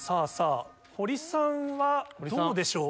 堀さんはどうでしょう？